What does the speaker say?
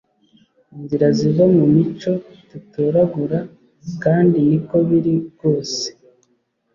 Inzira ziva mu mico dutoragura kandi niko biri rwose